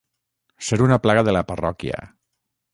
Ser una plaga de la parròquia.